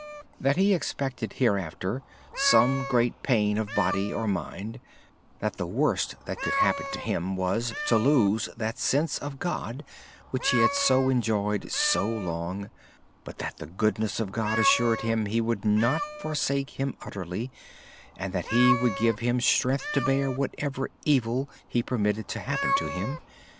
Brother Lawrence said that the worst that could happen to him was to lose that sense of God which he had enjoyed so long. Yet the goodness of God assured him He would not forsake him utterly and that He would give him strength to bear whatever evil He permitted to happen to him.